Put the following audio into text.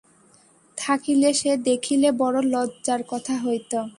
থাকিলে সে দেখিলে বড় লজ্জার কথা হইত।